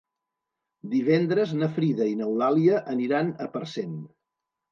Divendres na Frida i n'Eulàlia aniran a Parcent.